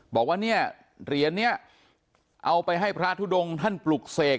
บอกว่าเนี่ยเหรียญนี้เอาไปให้พระทุดงท่านปลุกเสก